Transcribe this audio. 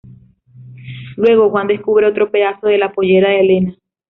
Luego, Juan descubre otro pedazo de la pollera de Elena.